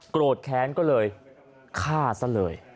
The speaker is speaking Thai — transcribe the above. โกรธแค้นก็เลยฆ่าซะเลย